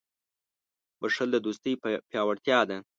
• بښل د دوستۍ پیاوړتیا ده.